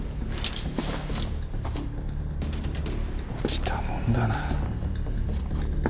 落ちたもんだな。